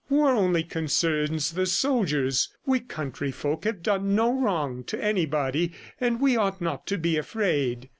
War only concerns the soldiers. We countryfolk have done no wrong to anybody, and we ought not to be afraid."